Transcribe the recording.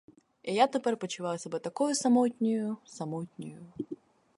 І я тепер почуваю себе такою самотньою, самотньою.